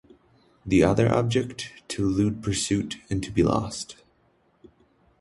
The other object, to elude pursuit and to be lost.